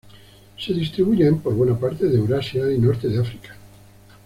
Se distribuyen por buena parte de Eurasia y norte de África.